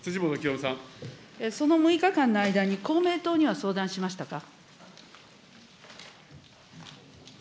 その６日間の間に公明党には相談しましたか。